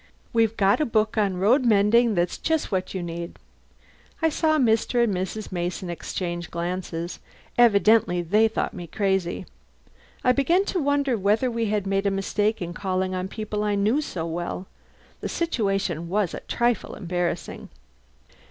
We've got a book on road mending that's just what you need." I saw Mr. and Mrs. Mason exchange glances. Evidently they thought me crazy. I began to wonder whether we had made a mistake in calling on people I knew so well. The situation was a trifle embarrassing.